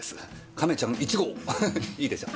亀ちゃん１号いいでしょ。